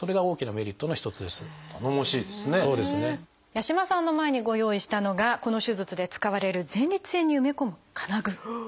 八嶋さんの前にご用意したのがこの手術で使われる前立腺に埋め込む金具。